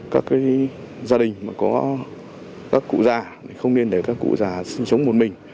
các gia đình mà có các cụ già không nên để các cụ già sinh sống một mình